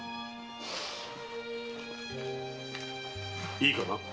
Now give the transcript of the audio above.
いいかな？